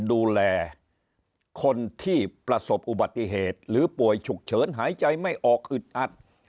ดูแลคนที่ประสบอุบัติเหตุหรือป่วยฉุกเฉินหายใจไม่ออกอึดอัด